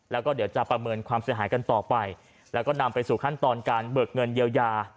แล้วก็เดี๋ยวจะประเมินความเสียหายกันต่อไปแล้วก็นำไปสู่ขั้นตอนการเบิกเงินเยียวยา